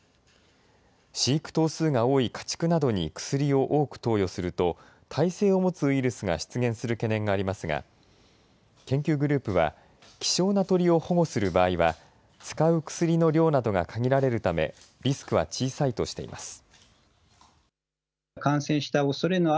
飼育頭数が多い家畜などに薬を多く投与すると耐性を持つウイルスが出現する懸念がありますが研究グループは希少な鳥を保護する場合は使う薬の量などが限られるためリスクは小さいとしています。